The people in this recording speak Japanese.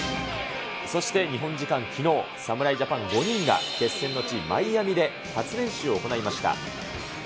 そして日本時間きのう、侍ジャパン５人が、決戦の地、マイアミで初練習を行いました。